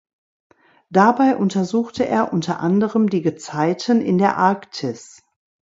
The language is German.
Dabei untersuchte er unter anderem die Gezeiten in der Arktis.